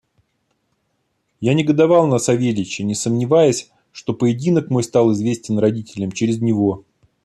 Я негодовал на Савельича, не сомневаясь, что поединок мой стал известен родителям через него.